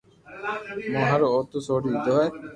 مون ھارو اي نو سوڙي دو تو